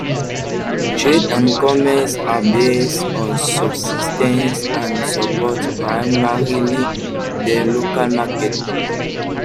Trade and commerce are based on subsistence and supports primarily the local market.